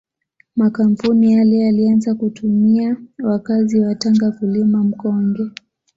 Makampuni yale yalianza kutumia wakazi wa Tanga kulima mkonge